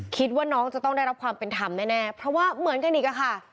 คิดว่าน้องจะต้องได้รับความเป็นธรรมแน่เพราะว่าเหมือนกันอีกอะค่ะ